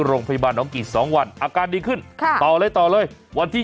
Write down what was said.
โรงพยาบาลน้องกี่๒วันอาการดีขึ้นค่ะต่อเลยต่อเลยวันที่